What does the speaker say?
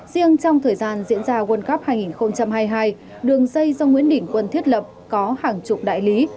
riêng trong thời gian diễn ra world cup hai nghìn hai mươi hai đường dây do nguyễn đình quân thiết lập có hàng chục đại lý